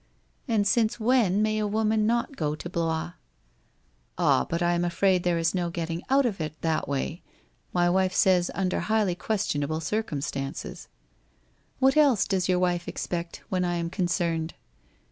' And since when may a woman not go to Blois ?'' Ah, but I am afraid there is no getting out of it that WHITE ROSE OF WEARY LEAP S53 ■way. My wife says under highly questionable circum stances/ ' What else does your wife expect when I am concerned